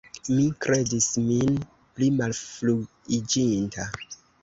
Mi kredis min pli malfruiĝinta.